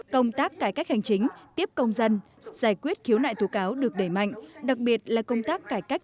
công tác cải cách hành chính tiếp công dân giải quyết khiếu nại tố cáo được đẩy mạnh đặc biệt là công tác cải cách